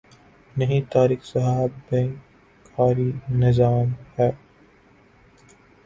نہیں طارق صاحب بینک کاری نظام کے